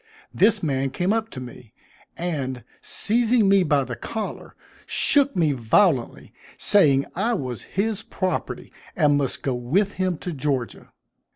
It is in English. This man came up to me, and, seizing me by the collar, shook me violently, saying I was his property, and must go with him to Georgia.